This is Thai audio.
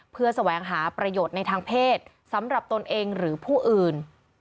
เพื่อแสวงหาประโยชน์ในทางเพศสำหรับตนเองหรือผู้อื่น